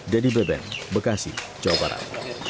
jadi beben bekasi jawa barat